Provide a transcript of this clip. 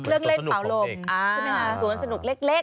เรื่องเล่นเป่าลมสวนสนุกของเด็ก